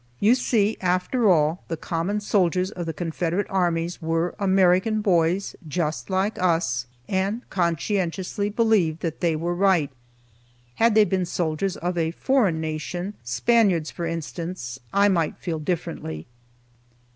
You see, after all, the common soldiers of the Confederate Armies were American boys, just like us, and conscientiously believed that they were right. Had they been soldiers of a foreign nation, Spaniards, for instance, I might feel differently.